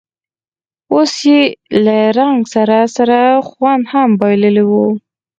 اوس یې له رنګ سره سره خوند هم بایللی و.